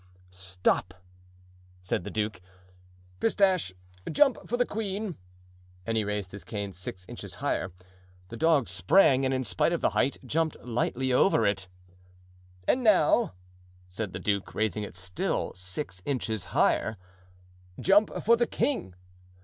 "Stop," said the duke, "Pistache, jump for the queen." And he raised his cane six inches higher. The dog sprang, and in spite of the height jumped lightly over it. "And now," said the duke, raising it still six inches higher, "jump for the king."